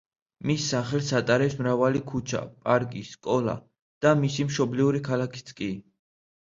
მის სახელს ატარებს მრავალი ქუჩა, პარკი, სკოლა და მისი მშობლიური ქალაქიც კი.